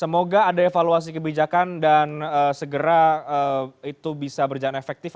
semoga ada evaluasi kebijakan dan segera itu bisa berjalan efektif